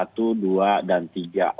untuk daerah daerah yang masih kurang